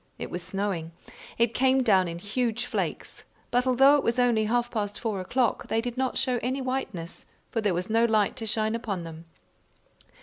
It was snowing. It came down in huge flakes, but although it was only half past four o'clock, they did not show any whiteness, for there was no light to shine upon them.